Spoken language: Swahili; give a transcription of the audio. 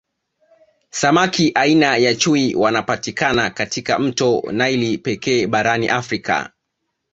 Samaki aina ya chui wanapatikana katika mto naili pekee barani Africa